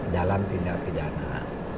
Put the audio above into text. dalam tindak pidana